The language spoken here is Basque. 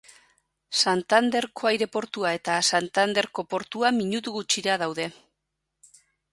Santanderko aireportua eta Santanderko portua minutu gutxira daude.